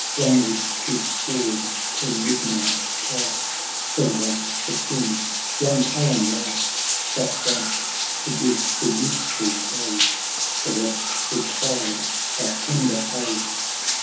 Bonald keeps ward till midnight past, Then wakes the King, young Allan last ; Thus ranked, to give the youthful Page The rest required by tender age.